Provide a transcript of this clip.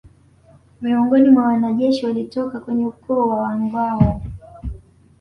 Miongoni mwa wanajeshi walitoka kwenye ukoo wa Wangâhoo